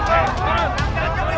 keluar keluar keluar